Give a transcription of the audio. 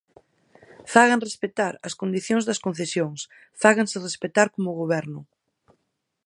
Fagan respectar as condicións das concesións, fáganse respectar como goberno.